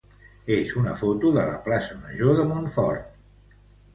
és una foto de la plaça major de Montfort.